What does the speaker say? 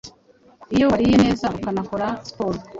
Iyo wariye neza ukanakora siporo,